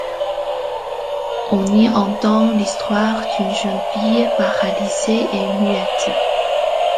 On y entend l'histoire d'une jeune fille paralysée et muette.